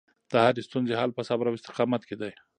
د هرې ستونزې حل په صبر او استقامت کې دی.